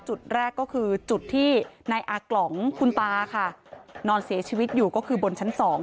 จุดแรกก็คือจุดที่นายอากล่องคุณตาค่ะนอนเสียชีวิตอยู่ก็คือบนชั้น๒